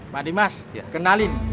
madi mas kenalin